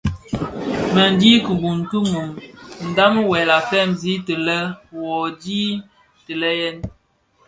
MË ndhi kibuň ki mum ndhami wuèl a feegsi ti lè: wuodhi dii le yèn.